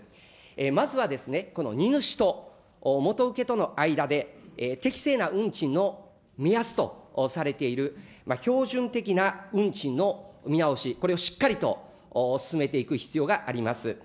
まずはですね、この荷主と元請けとの間で、適正な運賃の目安とされている標準的な運賃の見直し、これをしっかりと進めていく必要があります。